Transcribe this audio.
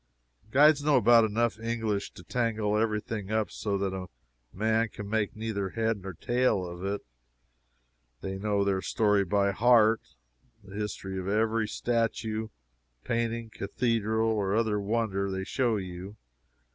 Guides know about enough English to tangle every thing up so that a man can make neither head or tail of it. They know their story by heart the history of every statue, painting, cathedral or other wonder they show you.